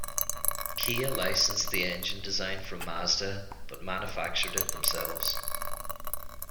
Kia licensed the engine design from Mazda, but manufactured it themselves.